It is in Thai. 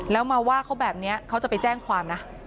แล้วมาว่าเขาแบบนี้เขาจะไปแจ้งความนะ